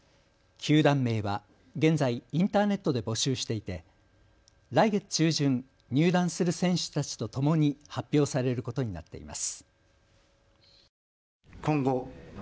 球団名は現在、インターネットで募集していて来月中旬、入団する選手たちとともに発表されることになっています。